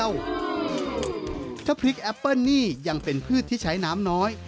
ยังเป็นพืชที่ใช้น้ำน้อย